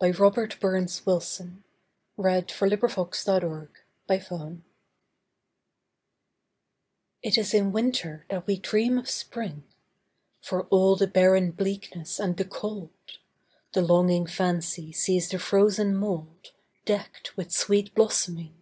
By Robert BurnsWilson 1047 It Is in Winter That We Dream of Spring IT is in Winter that we dream of Spring; For all the barren bleakness and the cold, The longing fancy sees the frozen mouldDecked with sweet blossoming.